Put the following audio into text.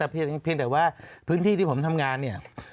เพียงแต่ว่าพื้นที่ที่ผมทำงานเนี่ย